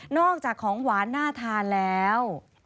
อกจากของหวานน่าทานแล้ว